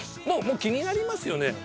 もう気になりますよね？